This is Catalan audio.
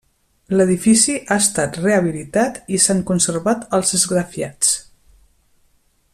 L'edifici ha estat rehabilitat i s'han conservat els esgrafiats.